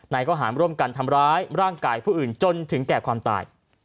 ข้อหารร่วมกันทำร้ายร่างกายผู้อื่นจนถึงแก่ความตาย